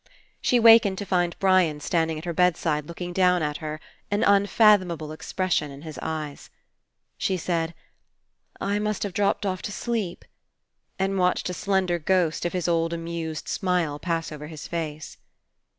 She wakened to find Brian standing at 156 FINALE her bedside looking down at her, an unfathom able expression in his eyes. She said: "I must have dropped off to sleep," and watched a slender ghost of his old amused smile pass over his face.